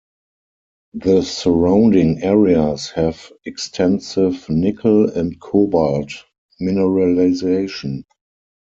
The surrounding areas have extensive nickel and cobalt mineralisation.